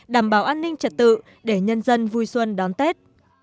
đảm bảo an ninh trật tự để nhân dân vui xuân đón tết